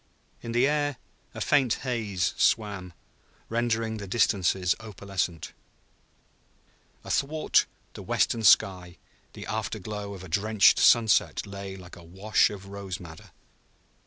In the air a faint haze swam, rendering the distances opalescent. Athwart the western sky the after glow of a drenched sunset lay like a wash of rose madder.